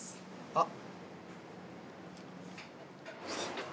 あっ。